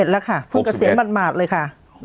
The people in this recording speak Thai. แล้วค่ะเพิ่งเกษียณหมาดเลยค่ะ